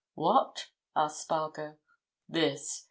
"What?" asked Spargo. "This.